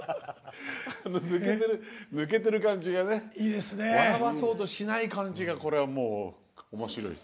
抜けてる感じがね笑わそうとしない感じがこれは、もうおもしろいです。